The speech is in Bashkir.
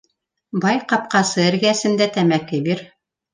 Бай ҡапҡасы эргәсендә тәмәке бир